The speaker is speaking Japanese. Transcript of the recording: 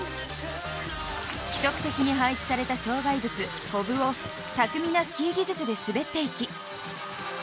規則的に配置された障害物、コブを巧みなスキー技術で滑っていき。